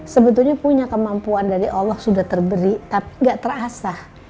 sebetulnya punya kemampuan dari allah sudah terberi tapi gak terasa